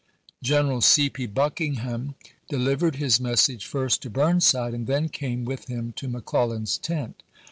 General C. P. Buckingham de p. 545.' livered his message first to Burnside and then came with him to McClellan's tent.